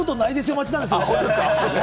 待ちなんですよ。